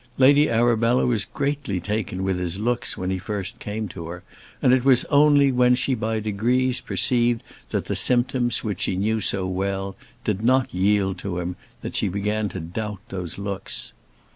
Lady Arabella was greatly taken with his looks when he first came to her, and it was only when she by degrees perceived that the symptoms, which she knew so well, did not yield to him that she began to doubt those looks.